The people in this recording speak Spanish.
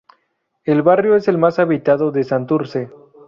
El barrio es el más habitado de Santurce.